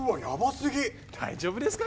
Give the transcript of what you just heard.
すぎ大丈夫ですか？